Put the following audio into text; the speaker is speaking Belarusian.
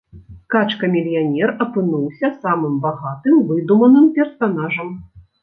Качка-мільянер апынуўся самым багатым выдуманым персанажам.